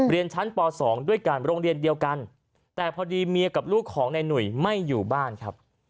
เรียนชั้นป๒ด้วยกันโรงเรียนเดียวกันแต่พอดีเมียกับลูกของนายหนุ่ยไม่อยู่บ้านครับ